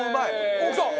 おおきた！